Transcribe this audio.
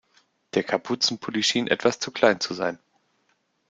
Der Kapuzenpulli schien etwas zu klein zu sein.